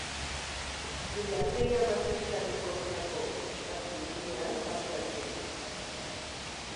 Indarkeria matxistaren kontrako estatu itunean parte hartu du.